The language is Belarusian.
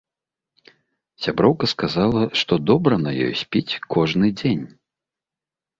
Сяброўка сказала, што добра на ёй спіць кожны дзень.